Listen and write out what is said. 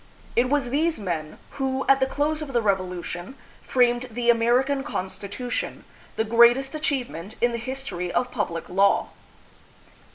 It was these men who, at the close of the Revolution, framed the American Constitution, the greatest achievement in the history of public law.